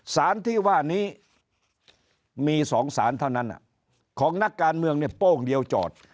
สารที่ว่านี้มี๒สารเท่านั้นของนักการเมืองเนี่ยโป้งเดียวจอด